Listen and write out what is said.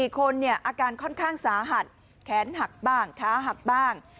๔คนอาการค่อนข้างสาหัสแขนหักบ้างขาหักบ้าง